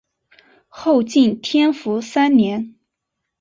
后晋天福三年。